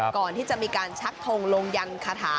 ก่อนที่จะมีการชักทงลงยันคาถา